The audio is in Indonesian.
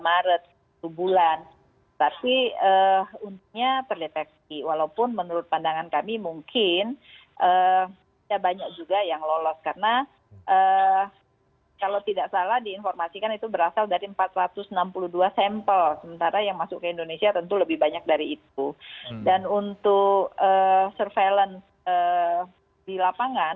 apakah sebelumnya rekan rekan dari para ahli epidemiolog sudah memprediksi bahwa temuan ini sebetulnya sudah ada di indonesia